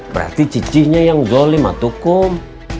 berarti cicinya yang zolim ataukum